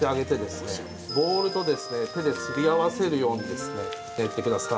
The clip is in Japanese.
ボウルと手ですり合わせるように練ってください。